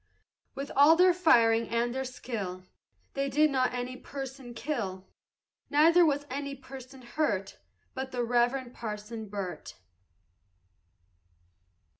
With all their firing and their skill They did not any person kill; Neither was any person hurt But the Reverend Parson Burt.